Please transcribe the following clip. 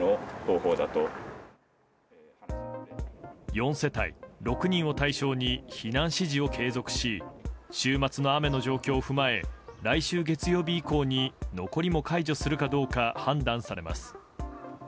４世帯６人を対象に避難指示を継続し週末の雨の状況を踏まえ来週月曜日以降に残りも解除するかどうか判断されます。